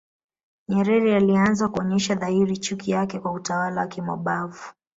Nyerere alianza kuonyesha dhahiri chuki yake kwa utawala wa kimabavu